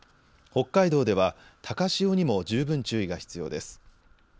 北海道では高潮にも十分注意が必要です。